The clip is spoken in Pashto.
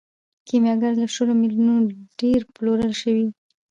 کیمیاګر له شلو میلیونو ډیر پلورل شوی دی.